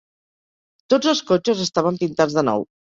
Tots els cotxes estaven pintats de nou.